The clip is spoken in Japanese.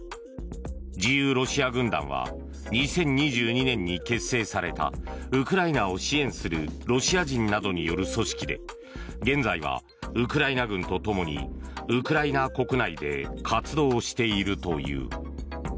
自由ロシア軍団は２０２２年に結成されたウクライナを支援するロシア人などによる組織で現在はウクライナ軍とともにウクライナ国内で活動しているという。